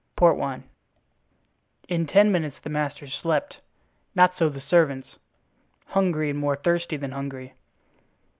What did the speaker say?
Port Wine. In ten minutes the masters slept; not so the servants— hungry, and more thirsty than hungry.